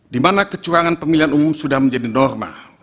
di mana kecurangan pemilihan umum sudah menjadi norma